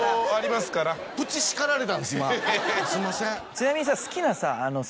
ちなみにさ。